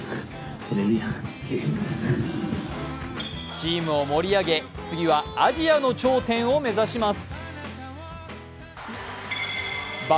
チームを盛り上げ次はアジアの頂点を目指します。